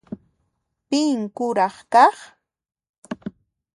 Pin kuraq kaq?